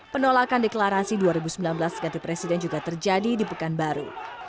penolakan deklarasi dua ribu sembilan belas ganti presiden juga terjadi di pekanbaru